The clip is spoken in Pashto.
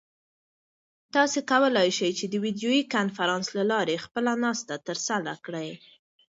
تاسو کولای شئ چې د ویډیویي کنفرانس له لارې خپله ناسته ترسره کړئ.